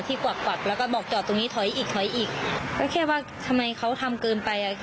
กวักกวักแล้วก็บอกจอดตรงนี้ถอยอีกถอยอีกก็แค่ว่าทำไมเขาทำเกินไปอ่ะ